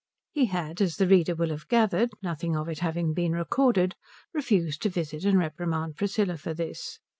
He had, as the reader will have gathered, nothing of it having been recorded, refused to visit and reprimand Priscilla for this.